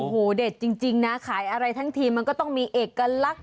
โอ้โหเด็ดจริงนะขายอะไรทั้งทีมันก็ต้องมีเอกลักษณ์